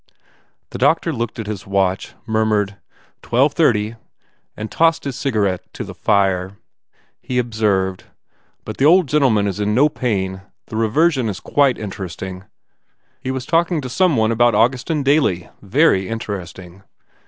The doctor looked at his watch, murmured, "Twelve thirty," and tossed his cigarette in the fire. He observed, "But the old gentleman s in no pain. The reversion s very interesting. He was talking to some one about Augustin Daly. Very interesting."